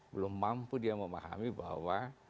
belum mampu dia memahami bahwa